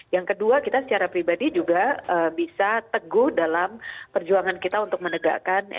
yang kedua kita secara pribadi juga bisa teguh dalam perjuangan kita untuk menegakkan